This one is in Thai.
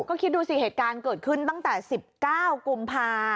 ก็คิดดูสิเหตุการณ์เกิดขึ้นตั้งแต่๑๙กุมภา